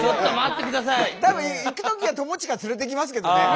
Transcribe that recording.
たぶん行くときは友近連れて行きますけどね。